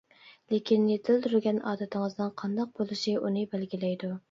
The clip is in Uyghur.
لېكىن، يېتىلدۈرگەن ئادىتىڭىزنىڭ قانداق بولۇشى ئۇنى بەلگىلەيدۇ.